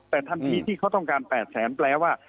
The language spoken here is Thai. แต่ทันทีที่เขาต้องการ๘แสนแปลว่า